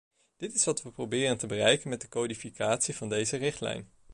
Dat is wat we proberen te bereiken met de codificatie van deze richtlijn.